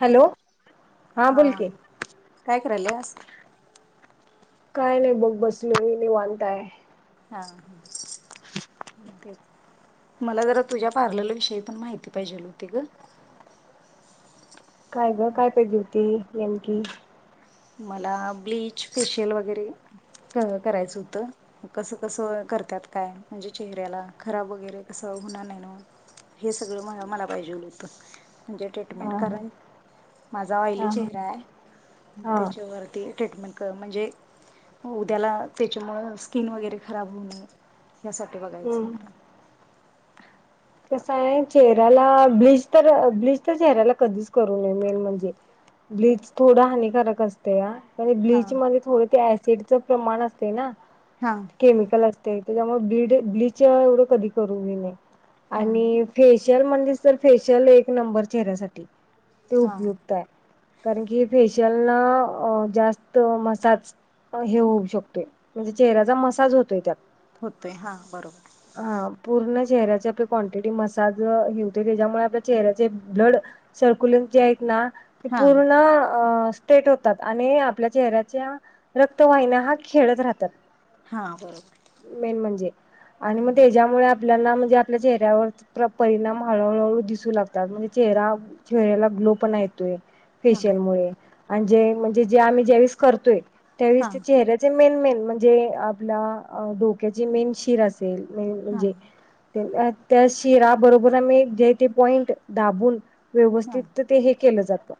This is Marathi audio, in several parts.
हॅलो हा बोल की काय कराल्यास? काय नाही बघ बसलोय, निवांत हाय. हा हा तेच. मला जरा तुझ्या पार्लर विषयी पण माहिती पाहिजे होती ग. काय ग काय पाहिजे होती नेमकी? मला ब्लीच, फेशियल वगैरे क करायच हुत. कस कस करत्यात काय म्हणजे चेहऱ्याला, खराब वगैरे कसं होणार नाही नव? हे सगळ म मला पाहिजेल होत म्हणजे ट्रीटमेंट हा कारण माझा ऑयली हा चेहरा आहे हा त्याच्यावरती ट्रीटमेंट कर म्हणजे उद्याला त्याच्यामुळं स्किन वगैरे खराब होऊ नये, यासाठी बघायच हम्म होत. कस हाय, चेहऱ्याला ब्लीच तर ब्लिच तर चेहऱ्याला कधीच करू नये मेन म्हणजे. ब्लीच थोड हानिकारक असत तया हा ब्लीच मध्ये थोड ते ऍसिडच प्रमाण असतय ना. हां केमिकल असतय त्याच्यामुळ, ब्लीड ब्लीच एवढं कधी करन घेऊ नये. हा आणि फेशियल म्हणलीस तर फेशियल एक नंबर चेहऱ्यासाठी, ते हा. उपयुक क्ताय, कारण की फेशियल ना जास्त मसाज हे होऊ शकतोय, म्हणजे चेहऱ्याचा मसाज होतोय त्यात. होतोय, हा बरोबर. हा पूर्ण चेहऱ्याच आप क्वांटिटी मसाज अ हे होतय, त्याच्यामुळ आपल्या चेहऱ्याचे ब्लड सरक्यूलिंग जे आहेत ना ते हा पूर्ण अ स्टेट होतात आणि आपल्या चेहऱ्याच्या रक्तवाहिन्या हा खेळत राहत्यात हा बरोबर मेन म्हणजे, आणि मग त्याच्यामुळ आपल्याला म्हणजे आप आपल्या चेहऱ्यावरच परिणाम हळूहळू हळू दिसू लागतात म्हणजे चेहरा चेहऱ्याला ग्लोपणा येतोय हा फेशियल मुळे आणि जे म्हणजे जे आम्ही ज्यावेळेस करतोय त्यावेळेस हा त्या चेहऱ्याचे जे मेन मेन म्हणजे, आपल्या अ डोक्याची मेन शिर असेल हा म्हणजे त्या शिरा बरोबर आम्ही जे ते पॉईंट दाबून हा व्यवस्थित ते हे केल जात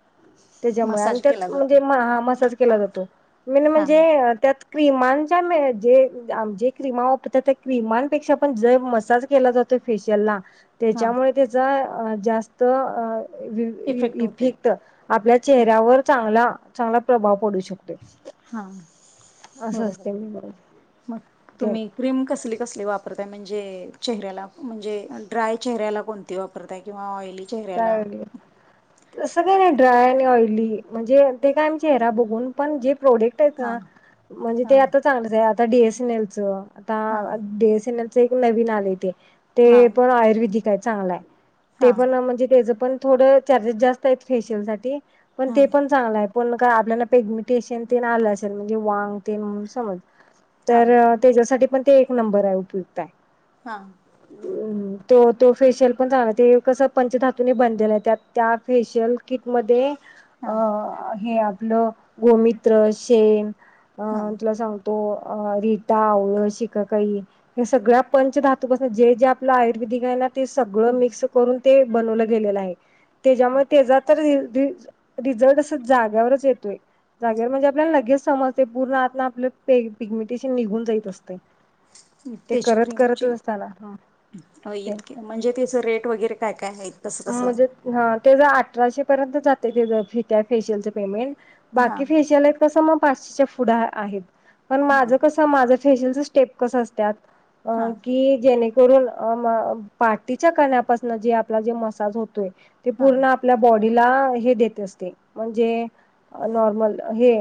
त्याच्यामुळे आणि मसाज केला त्यात म्हणजे जातोय म हा मसाज केला जातो, मेन हा म्हणजे अ त्यात क्रीमांच्या जे आ म जे क्रीमा वापरतात त्या क्रिमांपेक्षा पण जर मसाज केला जातोय फेशियलला, हा त्याच्यामुळे त्याचा अ जास्त अ वी वी इफेक्ट आपल्या चेहऱ्यावर चांगला, चांगला प्रभाव पडू शकतो. हा, असं बरोबर असते आहे, मी मग ते तुम्ही क्रीम कसली कसली वापरताय, म्हणजे चेहऱ्याला म्हणजे ड्राय चेहऱ्याला कोण ती वापरताय किंवा ऑइली? चेहऱ्याला ड्राय, ऑयली, तस काय नाही ड्राय आणि ऑइली म्हणजे ते काय आम्ही चेहरा बघून पण जे प्रोडक्ट आहेत हा ना, म्हणजे हा ते आता चांगलच आहे, आता डीएसएनएलच हा आता डीएसएनएल च एक नवीन आलय ते हा ते पण आयुर्वेदिक आहे, चांगला आहे हा ते पण अ म्हणजे म्हणजे तेच पण थोडं चार्जेस जास्त आहेत फेशियल साठी, पण हा ते पण चांगल आहे. पण का आपल्याला पेगमिटेशन आलं असेल म्हणजे वांग तेण म्हणून समज हा तर! त्याच्यासाठी पण ते एक नंबर आहे उपयुक्त आहे. हा, म्म तो तो फेशियल पण चाला ते कस? पंचधातूननी बांधलेला हाय त्या त्या फेशियल किटमध्ये? हा हे आपलं गोमित्र शेन अ हा तुला सांग, तो रीता आवळ शिककाई हे सगळ्या पंचधा, जे जे आपलं आयुर्वेदिक आहे ना ते सगळं मिक्स करून! बनवलेलं गेलेलं आहे त्याच्यामुळे तेजा तर ही दीस, रिझल्ट असं जागावरच येतोय! जागेवर म्हणजे आपल्याला लगेच समजते पूर्ण आत आपलं पिगमिटेशन निघून जायत असतय? इ तेच क्रीमचे हा ते इतके, म्हणजे तिचं रेट वगैरे काय काय आहेत? कसं कसं म्हणजे हा तेज अठराशे पर्यंत जाते त्या फेशियलचं पेमेंट! हा बाकी फेशियल आहेत कस मग पाचशेच्या पुुढ आहेत पण हा माझं कस, तर माझ फेशियलच स्टेप कस असतात हा की जे, करून अ म पाठीच्या जे कण्यापासन जे आपला जे मसाज होतोय ते हा पूर्ण. आपल्या बॉडीला हे देत असते म्हणजे! नॉर्मल हे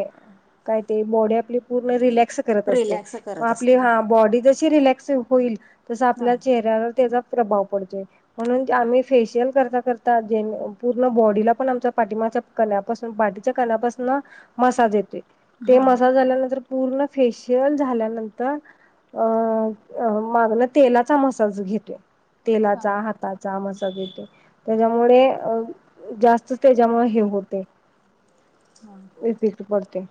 काय ते बॉडी आपली पूर्ण रिलॅक्स, करत असते रिलॅक्स म हा करत आपली असतील हा बॉडी जशी रिलॅक्स होईल तसं आपल्या चेहऱ्यावर त्याचा? प्रभाव पडतो, म्हणून ते आम्ही फेशियल करता करता जे पूर्ण बॉडीला पण आमच्या पाठिमाचा, कण्यापासून पाटीच्या कण्यापासून मसाज येते. ते हा मसाज झाल्यानंतर पूर्ण फेशियल झाल्यानंतर अ! अ मागण तेलाचा मसाज घेतोय हा तेलाचा हात! पायाचा मसाज येतो त्याच्यामुळे जास्त. त्याच्यामुळे हे होतय इफेक्ट पडतोय.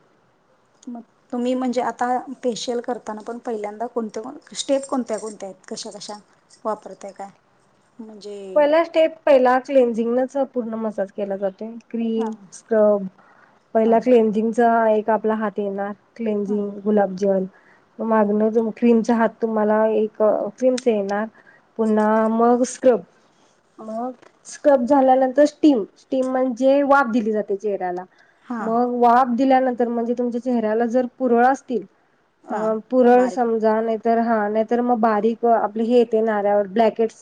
म, तुम्ही म्हणजे आता फेशियल करताना पण पहिल्यांदा कोणत पण स्टेप कोणत्या कोणत्या आहेत कशा कशा? वापरताय का, म्हणजे, पहिला स्टेप पहिला क्लेनझिंगच पूर्ण मसाज केला जातोय. हा क्रीम स्क्रब हा पहिला क्लेंझिंगचा एक आपला हात येणार! हा क्लंजिंग गुलाबजल, मागणअजून क्रीमचा हात तुम्हाला एक क्रीमचा येणार? पुन्हा मग स्क्रब, मग स्क्रब झाल्यानंतर स्टीम स्टीम म्हणजे वाफ दिली जाते चेहऱ्याला. हा मग वाफ दिल्यानंतर म्हणजे तुमच्या चेहऱ्याला जर पुरळ असतील. हा अ पुरळ बारीक समजा नेत, तर हा नाहीतर मग बारीक आपले हेेते नाऱ्यावर ब्लॅकेट्स!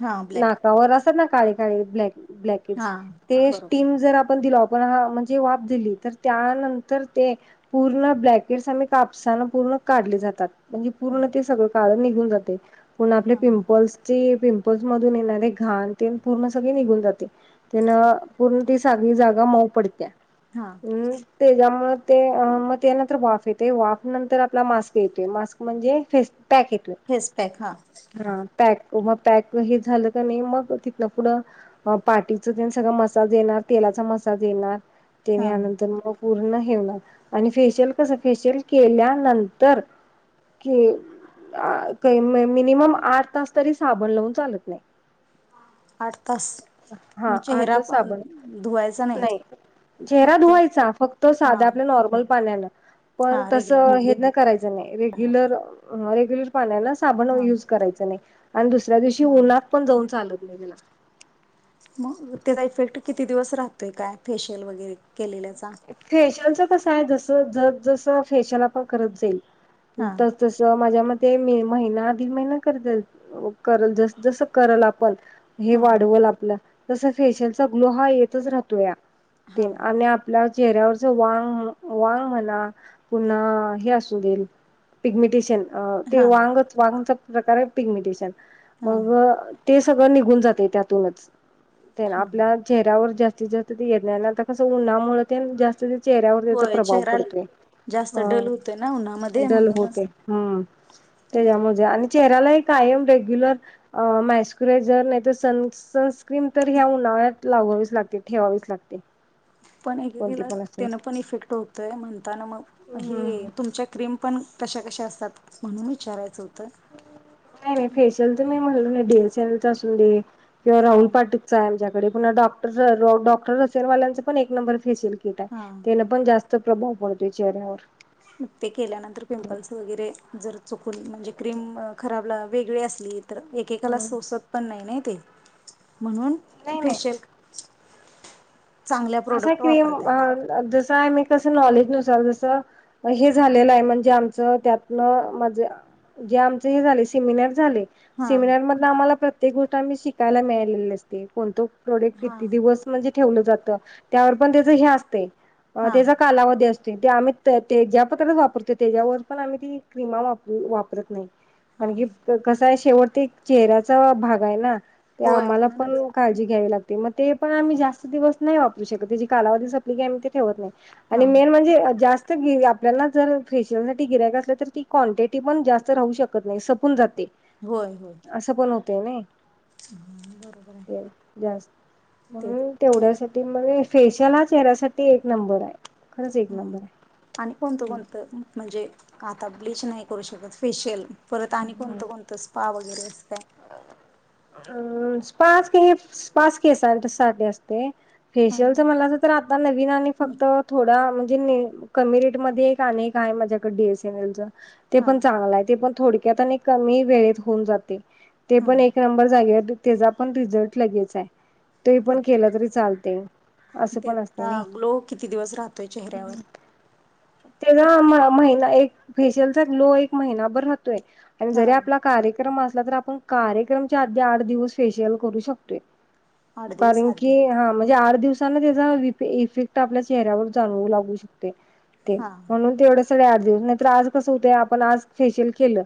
हा ब्लॅक नाकावर असतात ना काळी काळी ब्लॅक! ब्लॅकेट हा ते बरोबर स्टीम जर आपण दिल आपण ह, जी वाफ दिली तर त्यानंतर ते! पूर्ण ब्लॅकेटस आम्ही कापसाना पूर्ण काढले जातात. म्हणजे पूर्ण ते सगळं काळ निघून जातय पुन्हा आपले हा पिंपल्सचे पिंपल्. मधून येणारे घाण तेनं पूर्ण सगळे निघून जाते. तिन पूर्ण ती सागळी जागा मऊ पडतीया. हा हम्म, त्याज्यामुळ ते म त्यानंतर वाफ येते. वाफ नंतर आपला मास्क येतय. मास्क म्हणजे फेस पॅक येतोय. फेस पॅक हा हा पॅक होअ पॅक म हे झालं का नाही. मग तिथन पुढं अ पाटीच तेनं सगळा मसाज येणार. तेलाचा मसाज येणार. त्यानी हा यानंतर मग पूर्ण हे होेणार. आणि फेशियल कसं फेशियल केल्यानंतर की अ [unintelligible] मिनिमम आठ तास तरी साबण लावून चालत नाय. आठ तास, म हा आठ चेहरा तास पण साबण धुवायचा नाही. चेहरा फक्त धुवायचा. फक्त हा साध्या आपल्या नॉर्मल पाण्यानं. हा पण रेग्युलर तसं हे न करायचं नाय. पाणी वापरत रेग्युलर हं रेग्युलर पाण्यान साबण हा युज करायचं नाय. आणि दुसऱ्या दिवशी हा उन्हात पण जाऊन चालत नाय त्याला मग, त्याचा इफेक्ट किती दिवस राहतोय काय, फेशियल वगैरे केलेल्याचा फेशियलच कसयं, जस जसं जस फेशल आपण करत जाईल. हा त तस माझ्या मते मे महिना दीड महिना करत्यात. करल. जस जसं करल आपण हे हा वाढवल आपलं. जस फेशियलचा ग्लो हा येतच राहतोया हा तेनं आणि आप आपल्या चेहऱ्यावरच वांग, वांग म्हणा पुन्हा हे असू देल पिग्मिटेशन अ ते हा वांगच वांग प्रकार ये पिग्मिटेशन हा मग ते सगळं निघून जातय. त्यातूनच तेनं हा आपल्या चेहऱ्यावर जास्तीत जास्त ते येत नाय. आणि आता कसं उन्हामुळ तेनं जास्ती चेहऱ्यावर त्याचा होय प्रभाव चेहरा पडतोय. जास्त हा, डल होतोय ना उन्हामध्ये डल म्हणूनच होतय. हम्म त्याज्यामध्ये आणि चेहर्‍याला ही कायम, रेग्युलर म्यास्कुरायजर नाय त सण सण क्रीम तर ह्या उन्हाळ्यात लावावीच लागते. ठेवावीच लागते. पण कोणती एकेकीला पण असेल तेन पण इफेक्ट होतोय. म्हणताना मग हम्म हे तुमच्या क्रीम पण कशा कशा असतात म्हणून विचारायचं होतं. नाय नाय फेशियलच तुम्ही म्हणल ना, डी एस एन एल च असून दे किंवा हा राहूल पाटी चालज्याकडे पुन्हा डॉक्टर, डॉक्टर रसेलवाल्यांच पण एक नंबर फेसियल [unintelligible] हाय हा त्यानं पण जास्त प्रभाव पडतोय चेहऱ्यावर म ते केल्यानंतर पिंपल्स वगैरे जर चुकून म्हणजे, क्रीम खराबला वेगळी असली, तर एकेकाला नाही सोसत पण नाही नाय ते. म्हणून नाही फेशियल चांगल्या कसा प्रोडक्ट क्रीम वापरताय काय जसं हाय मी कसं नॉलेज नुसार, जसं हे झालेलं आय म्हणजे आम च त्यातन माझ जे आमच हे झालय सेमिनार झालय. हा सेमिनार म आम्हाला प्रत्येक गोष्ट आम्ही शिकायला मिळालेली असते. कोणत प्रॉडक्ट हा हा किती दिवस म्हणजे ठेवलं जात. त्यावर पण त्याच हे असतय. हा त्याजा कालावधी अस ते आम्ही ते ज्या पतरं वापरतो. त्याज्यावर पण आम्ही ती क्रीमा वापरू वापरत नाय. हा कारण की, कसयं, शेवटती चेहऱ्याचा भाग हाय ना, ते होय आम्हाला पण म्हणूनच काळजी घ्यावी लागते. म ते पण आम्ही जास्त दिवस नाही वापरु शकत. त्याची कालावधी सपली की आम्ही ते ठेवत नाही. हा आणि मेन म्हणजे जास् तर गिरी आपल्याला जर फेशियलसाठी गिरायक असल्या तर ती क्वांटिटी पण जास्त राहू शकत नाही सपून जाते. होय होय असं पण होतय नाई बरोबर आहे ते जास्त. तेच म्हणून तेवढ्यासाठी म फेशियल हा चेऱ्यासाठी एक नंबर आहे खरंच एक हा नंबर आहे. आणि कोणतं कोणतं म्हणजे आता ब्लीच नाही करू शकत फेशियल परत आणि कोणतं कोणतं स्पा वगैरे अस काय. अम स्पास हे स्पास की केसांसाठी असते. फेशियलच हां म्हणला अस तर आता नवीन आणि फक्त थोडा म्हणजे कमी रेट मध्ये एक अनेक आहे माझ्याकडे डी एस एन एल च. ते हां पण चांगलं आहे ते पण थोडक्यात आणि कमी वेळेत होऊन जाते ते हां पण एक नंबर जा त्याचा पण रिझल्ट लगेच आहे, त पण केलं तरी चालत. तेता ग्लो किती दिवस राहतोय चेहऱ्यावर? ते ना महिना एक फेशियलचा ग्लो एक महिनाभर रातोय, जरी हां आपला कार्यक्रम असला तर आपण कार्यक्रम आधि आठ दिवस फेस्शियल करू शकतोय. आठ दिवस कारण आधी की हा म्हणजे आठ दिवसांना त्याचा इफेक्ट आपल्या चेहऱ्यावर जाणवू लागू शकतो. ते हां म्हणून तेवढं सगळ आठ दिवस नाहीर आज कसं होतं आपण आज फेशियल केलं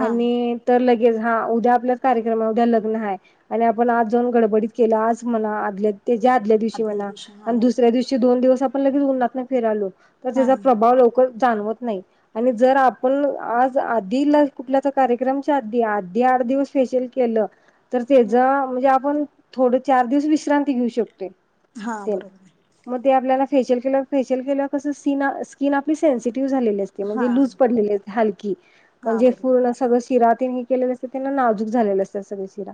हां आणि तर लगेच हा उद्या आपल्या कार्यक्रमा उद्या लग्न आहे आणि आपण जाऊन गडबडीत केलं आज म्हणा आदल्या त्याच्या आदल्या दिवशी म्हणा आणि दुसऱ्या दिवशी दोन दिवस आपण लगेच उननाात फिरालो तर त्याचा हां प्रभाव लवकर जाणवत नाही. आणि जर आपण आज आधी कुठल्याचा कार्यक्रमच्या आधी आधी आठ दिवस फेशल केलं तर हां त्याचा म्हणजे आपण थोड चार दिवस विश्रांती घेऊ शकतोय. हा ते बरोबर आहे. मग ते आपल्याला फेशियल केलं फेशियल केलं कसं स् स्कन आपली सन्सिटिव्ह झालेली हा आहे. लूज पडलेली हलकी हा म्हणजे पूर्ण बरोबर सगळ शिरातेन हे केलेल्या असतात त्यांना नाजूक नाजूक झालेल्या असतात सगळ्या शिरा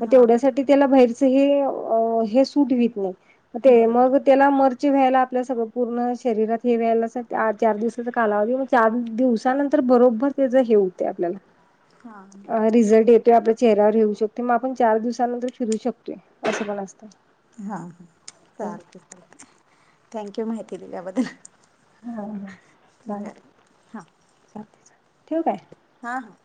मग हा तेवढ्यासाठी त्याला बाहेरचं हे, अं हे सूट होत नाही हे बरोबर मग आहे. त्याला मर व्हायला आपल्या सगळं पूर्ण शरीरात हे व्हायला चार दिवसाचा कालावधीग चार दिवसानंतर तर बरोबर त्याज हे होतं आपल्याला हा अ बरोबर रिझल्ट येत ते आपल्या चेहऱ्यावर येऊ शकते मग आपण चार दिवसानंतर फिरू शकतोय असं पण असतं. हा हा चालते चालते थँक्यू माहिती दिल्या बद्दल. हां हां चालते चालते चा ठेवु काय. हा हा.